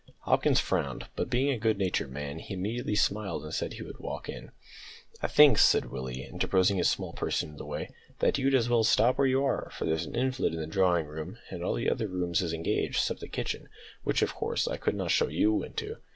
Hopkins frowned, but, being a good natured man, he immediately smiled, and said he would walk in. "I think," said Willie, interposing his small person in the way, "that you'd as well stop where you are, for there's a invalid in the drawing room, and all the other rooms is engaged 'cept the kitchen, which of course I could not show you into.